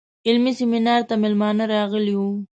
علمي سیمینار ته میلمانه راغلي وو.